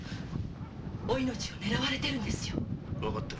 お命をねらわれているんですよ。